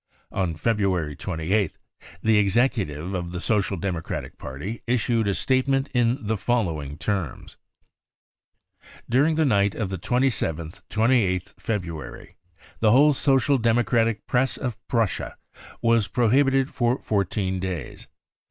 On February 28th the Executive of the Social Democratic Party issued a statement in the following terms :" During the night of the 27th~28th February, the whole Social Democratic Press of Prussia was prohibited for fourteen days.